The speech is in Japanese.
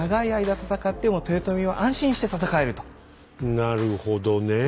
なるほどねえ。